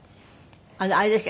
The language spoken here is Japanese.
あのあれですか？